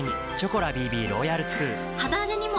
肌荒れにも！